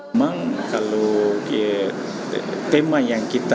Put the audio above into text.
memang kalau tema yang kita